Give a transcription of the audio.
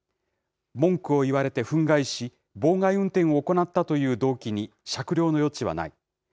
文句を言われて憤慨し、妨害運転を行ったという動機に、酌量の余地はない。